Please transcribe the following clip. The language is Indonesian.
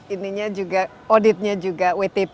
ininya juga auditnya juga wtp